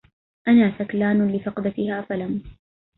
أنا ثكلان لفقدتها فلم